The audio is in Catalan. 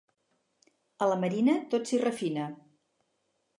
A la Marina, tot s'hi refina.